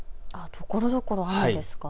ところどころ雨ですか。